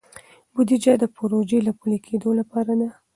بودیجه د پروژو د پلي کیدو لپاره ده.